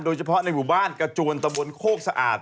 โดยเฉพาะในหมู่บ้านกระจวนตะวลโคกสะอาด